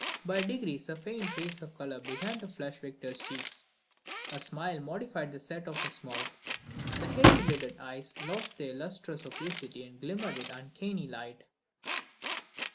By degrees a faint trace of colour began to flush Victor's cheeks, a smile modified the set of his mouth, the heavy lidded eyes lost their lustreless opacity and glimmered with uncanny light.